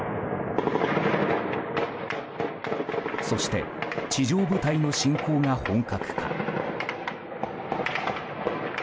そして地上部隊の侵攻が本格化。